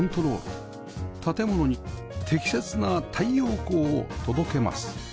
建物に適切な太陽光を届けます